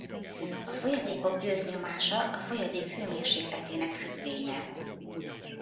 A folyadékok gőznyomása a folyadék hőmérsékletének függvénye.